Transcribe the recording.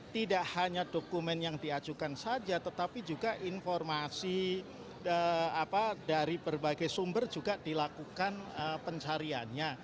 tidak hanya dokumen yang diajukan saja tetapi juga informasi dari berbagai sumber juga dilakukan pencariannya